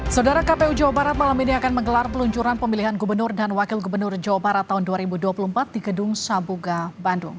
saudara kpu jawa barat malam ini akan menggelar peluncuran pemilihan gubernur dan wakil gubernur jawa barat tahun dua ribu dua puluh empat di gedung sabuga bandung